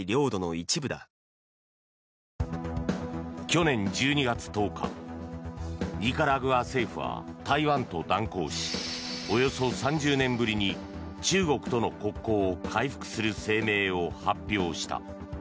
去年１２月１０日ニカラグア政府は台湾と断交しおよそ３０年ぶりに中国との国交を回復する声明を発表した。